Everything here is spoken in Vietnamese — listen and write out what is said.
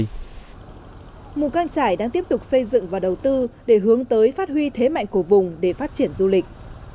mù căng trải đang tiếp tục xây dựng và đầu tư để hướng tới phát huy thế mạnh của vùng để phát triển du lịch